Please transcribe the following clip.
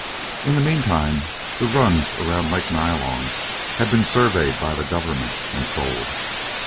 In the meantime the runs around Lake Nyalong had been surveyed by the government and sold.